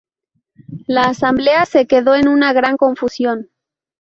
La Asamblea se quedó en una gran confusión.